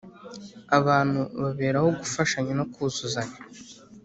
abantu baberaho gufashanya no kuzuzanya.